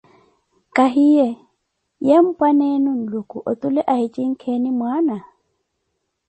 Kahiye, ye mpwaneenu Nluku otule ahi jinkeeni mwaana?